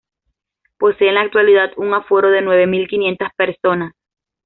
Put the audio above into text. Posee en la actualidad un aforo de nueve mil quinientas personas.